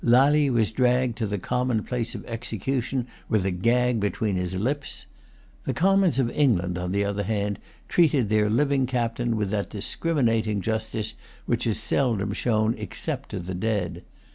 Lally was dragged to the common place of execution with a gag between his lips. The Commons of England, on the other hand, treated their living captain with that discriminating justice which is seldom shown except to the dead.